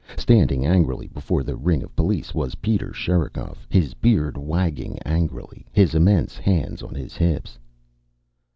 Standing angrily before the ring of police was Peter Sherikov, his beard waggling angrily, his immense hands on his hips.